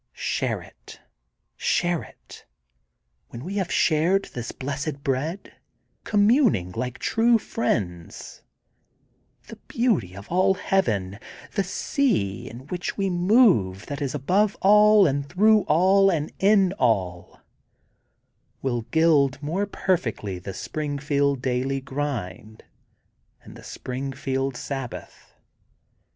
Share it, share it! When we have shared the blessed bread, communing like true friends, the beauty of all Heaven, the sea in which we move that is above all and through all and in all, will gild more perfectly the Springfield daily grind and the Springfield sabbath.